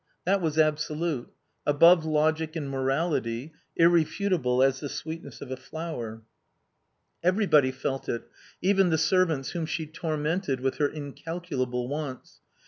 That was absolute; above logic and morality, irrefutable as the sweetness of a flower. Everybody felt it, even the servants whom she tormented with her incalculable wants.